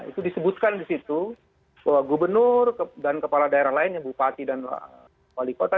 itu disebutkan di situ bahwa gubernur dan kepala daerah lainnya bupati dan wali kota